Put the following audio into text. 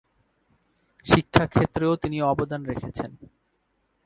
শিক্ষা ক্ষেত্রেও তিনি অবদান রেখেছেন।